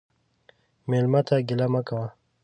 مېلمه ته ګیله مه کوه.